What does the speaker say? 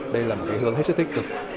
đây là một hướng hết sức tích cực